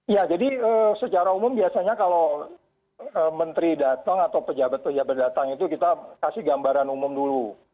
ya jadi secara umum biasanya kalau menteri datang atau pejabat pejabat datang itu kita kasih gambaran umum dulu